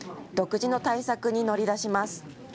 独自の対策に乗り出します。